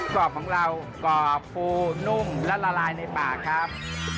กรอบของเรากรอบปูนุ่มและละลายในปากครับ